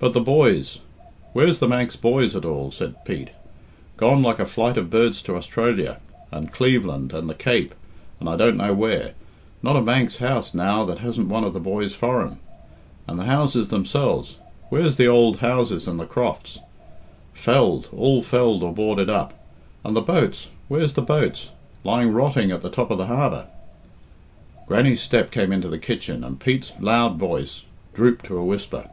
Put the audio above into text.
"But the boys w here's the Manx boys at all?" said Pete. "Gone like a flight of birds to Austrillya and Cleveland and the Cape, and I don't know where. Not a Manx house now that hasn't one of the boys foreign. And the houses themselves where's the ould houses and the crofts? Felled, all felled or boarded up. And the boats where's the boats? Lying rotting at the top of the harbour." Grannie's step came into the kitchen, and Pete's loud voice drooped to a whisper.